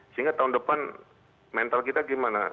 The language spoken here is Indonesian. sehingga tahun depan mental kita gimana